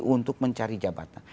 untuk mencari jabatan